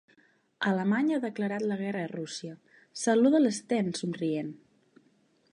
Alemanya ha declarat la guerra a Rússia —saluda l'Sten, somrient—.